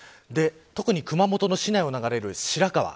特に熊本市内を流れる白川。